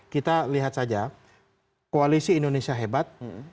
kita lihat saja koalisi indonesia hebat